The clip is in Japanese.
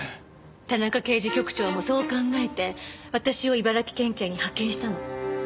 田中刑事局長もそう考えて私を茨城県警に派遣したの。